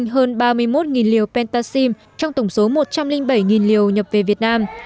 hơn ba mươi một liều pentaxim trong tổng số một trăm linh bảy liều nhập về việt nam